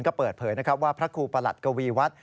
ก็เปิดเผยนะครับว่าพระครูประหลัดกวีวัฒน์